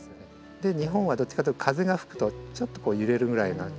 日本はどっちかというと風が吹くとちょっと揺れるぐらいな。